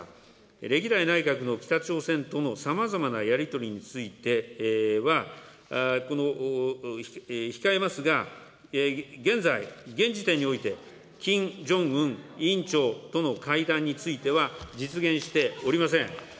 歴代内閣の北朝鮮とのさまざまなやり取りについては、控えますが、現在、現時点において、キム・ジョンウン委員長との会談については、実現しておりません。